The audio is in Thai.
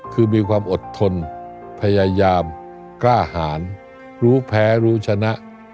คือมีความอดทนพยายามกล้าหารรู้แพ้รู้ชนะ